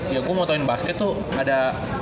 ya gue motoin basket tuh ada